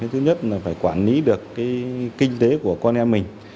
thứ nhất là phải quản lý được kinh tế của con em mình